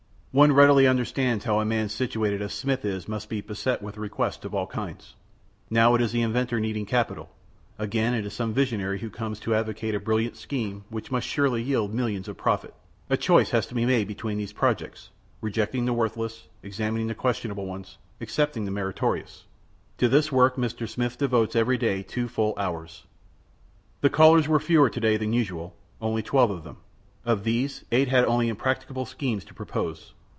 One readily understands how a man situated as Smith is must be beset with requests of all kinds. Now it is an inventor needing capital; again it is some visionary who comes to advocate a brilliant scheme which must surely yield millions of profit. A choice has to be made between these projects, rejecting the worthless, examining the questionable ones, accepting the meritorious. To this work Mr. Smith devotes every day two full hours. The callers were fewer to day than usual only twelve of them. Of these, eight had only impracticable schemes to propose.